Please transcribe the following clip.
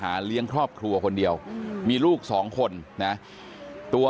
อายุ๑๐ปีนะฮะเขาบอกว่าเขาก็เห็นถูกยิงนะครับ